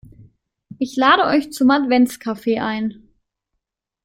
Ich lade euch zum Adventskaffee ein.